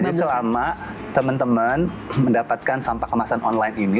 jadi selama teman teman mendapatkan sampah kemasan online ini